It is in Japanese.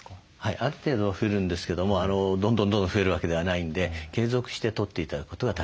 ある程度は増えるんですけどもどんどんどんどん増えるわけではないんで継続してとって頂くことが大切だと思います。